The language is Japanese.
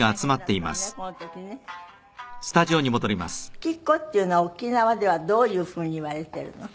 復帰っ子っていうのは沖縄ではどういうふうにいわれているの？